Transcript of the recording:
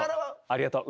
ありがとう。